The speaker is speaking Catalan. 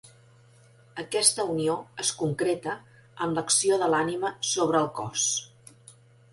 Aquesta unió es concreta en l'acció de l'ànima sobre el cos.